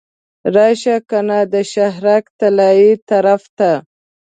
راشه کنه د شهرک طلایي طرف ته.